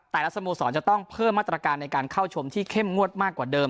สโมสรจะต้องเพิ่มมาตรการในการเข้าชมที่เข้มงวดมากกว่าเดิม